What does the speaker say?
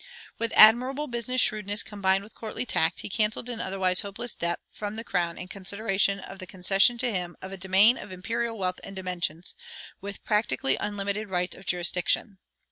With admirable business shrewdness combined with courtly tact, he canceled an otherwise hopeless debt from the crown in consideration of the concession to him of a domain of imperial wealth and dimensions, with practically unlimited rights of jurisdiction.